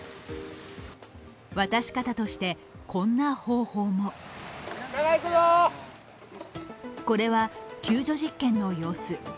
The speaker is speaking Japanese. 渡し方として、こんな方法もこれは、救助実験の様子。